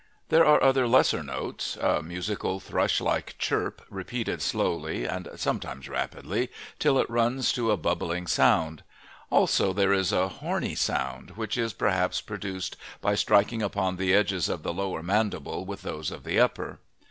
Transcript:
There are other lesser notes: a musical, thrush like chirp, repeated slowly, and sometimes rapidly till it runs to a bubbling sound; also there is a horny sound, which is perhaps produced by striking upon the edges of the lower mandible with those of the upper.